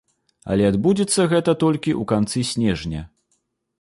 Але адбудзецца гэта толькі ў канцы снежня.